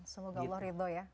semoga allah ribau ya